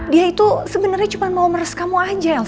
dia itu sebenernya cuma mau meres kamu aja elsa